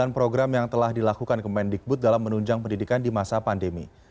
sembilan program yang telah dilakukan kemendikbud dalam menunjang pendidikan di masa pandemi